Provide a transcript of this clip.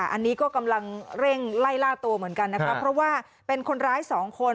อันนี้ก็กำลังเร่งไล่ล่าตัวเหมือนกันนะครับเพราะว่าเป็นคนร้ายสองคน